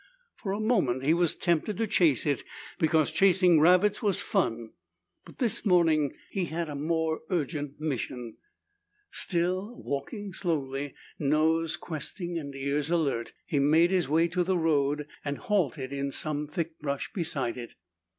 For a moment he was tempted to chase it because chasing rabbits was fun. But this morning he had a more urgent mission. Still walking slowly, nose questing and ears alert, he made his way to the road and halted in some thick brush beside it.